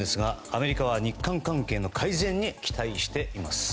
アメリカは日韓関係の改善に期待しています。